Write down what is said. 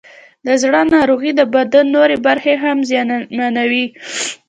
د زړه ناروغۍ د بدن نورې برخې هم زیانمنوي.